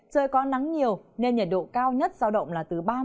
trời có nắng nhiều nên nhiệt độ cao nhất giao động là từ ba mươi đến ba mươi ba độ